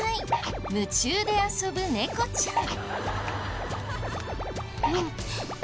夢中で遊ぶ猫ちゃん。